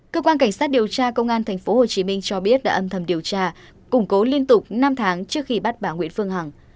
cơ quan cảnh sát điều tra công an tp hcm cho biết đã âm thầm điều tra củng cố liên tục năm tháng trước khi bắt bà nguyễn phương hằng